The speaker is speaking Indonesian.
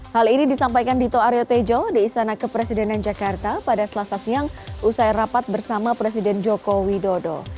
hal ini disampaikan dito aryo tejo di istana kepresidenan jakarta pada selasa siang usai rapat bersama presiden joko widodo